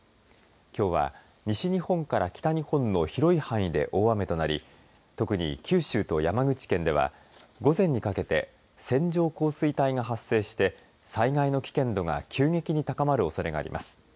きょうは西日本から北日本の広い範囲で大雨となり特に九州と山口県では午前にかけて線状降水帯が発生して災害の危険度が急激に高まるおそれがあります。